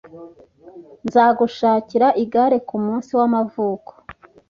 Nzagushakira igare kumunsi wamavuko.